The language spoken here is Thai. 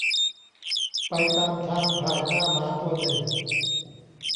ไปตามทางผ่านหน้าหมาตัวหนึ่ง